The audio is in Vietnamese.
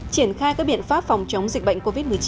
triển khai các biện pháp phòng chống dịch bệnh covid một mươi chín